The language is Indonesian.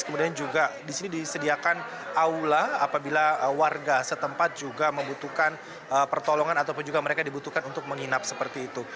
kemudian juga di sini disediakan aula apabila warga setempat juga membutuhkan pertolongan ataupun juga mereka dibutuhkan untuk menginap seperti itu